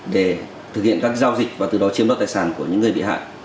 để thực hiện các giao dịch và từ đó chiếm đoạt tài sản của những người bị hại